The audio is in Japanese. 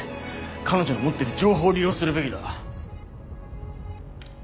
彼女の持ってる情報を利用するべきだ。